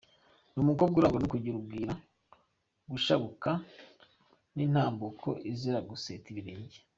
Ni umukobwa urangwa no kugira ubwira, gushabuka n’intambuko izira guseta ibirenge.